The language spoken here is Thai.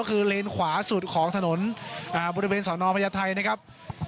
ก็คือเลนขวาสุดของถนนบริเวณสอนอพญาไทยนะครับ